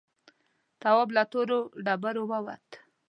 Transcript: تواب له تورو ډبرو ووت.